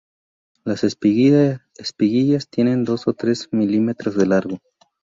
Las espiguillas tienen dos o tres milímetros de largo.